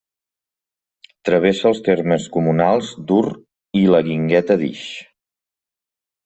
Travessa els termes comunals d'Ur i la Guingueta d'Ix.